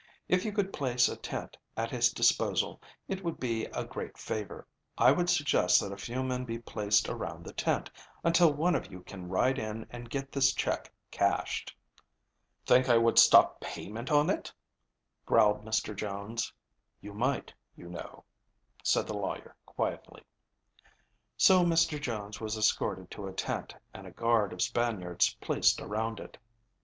If you could place a tent at his disposal, it would be a great favor. I would suggest that a few men be placed around the tent until one of you can ride in and get this check cashed." "Think I would stop payment on it?" growled Mr. Jones. "You might, you know," said the lawyer quietly. So Mr. Jones was escorted to a tent, and a guard of Spaniards placed around it.